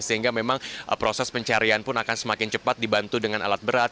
sehingga memang proses pencarian pun akan semakin cepat dibantu dengan alat berat